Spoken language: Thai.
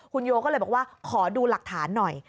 คุณโยก็เลยบอกว่าขอดูหลักฐานหน่อย